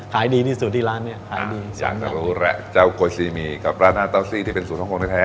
ขายดีที่สุดที่ร้านเนี้ยขายดีอยากจะรู้แหละเจ้าโกซีมีกับร้านหน้าเต้าซี่ที่เป็นสูตรฮ่องกงแท้